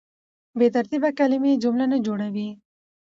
بې ترتیبه کلیمې جمله نه جوړوي.